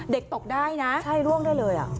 เด็กตกได้นะใช่ร่วงได้เลย